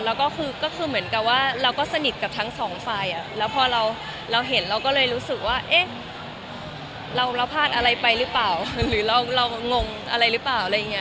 แล้วก็คือก็คือเหมือนกับว่าเราก็สนิทกับทั้งสองฝ่ายแล้วพอเราเห็นเราก็เลยรู้สึกว่าเอ๊ะเราพลาดอะไรไปหรือเปล่าหรือเรางงอะไรหรือเปล่าอะไรอย่างนี้